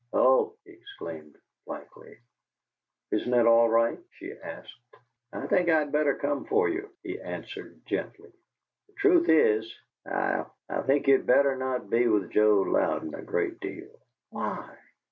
"Oh!" he exclaimed, blankly. "Isn't it all right?" she asked. "I think I'd better come for you," he answered, gently. "The truth is, I I think you'd better not be with Joe Louden a great deal." "Why?"